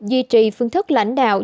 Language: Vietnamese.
duy trì phương thức lãnh đạo